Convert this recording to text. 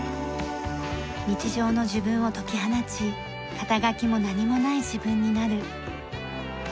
日常の自分を解き放ち肩書も何もない自分になる。